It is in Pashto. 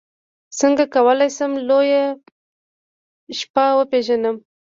څنګه کولی شم لویه شپه وپېژنم